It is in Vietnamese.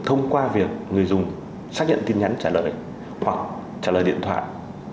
thông qua việc người dùng xác nhận tin nhắn trả lời hoặc trả lời điện thoại